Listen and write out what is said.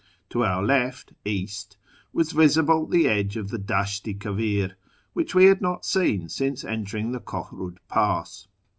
To our left (east) was visible the edge of the Dasht i Kavir, which we had not seen since entering the Kohrud Pass.